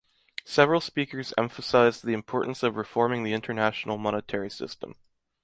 Several speakers emphasized the importance of reforming the international monetary system.